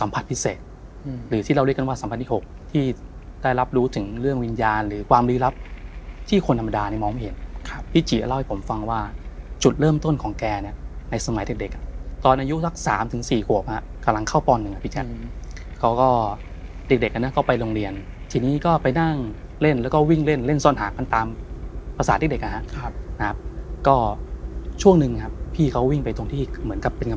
เป็นคนที่ได้รับรู้ถึงเรื่องวิญญาณหรือความลื้อรับที่คนธรรมดานี่มองไม่เห็นพี่จี๋เล่าให้ผมฟังว่าจุดเริ่มต้นของแกเนี่ยในสมัยเด็กตอนอายุสัก๓๔หวบฮะกำลังเข้าปลอดภัณฑ์หนึ่งพี่จ้านเขาก็เด็กอันนั้นเข้าไปโรงเรียนทีนี้ก็ไปนั่งเล่นแล้วก็วิ่งเล่นเล่นซ่อนหากกันตามภาษาเด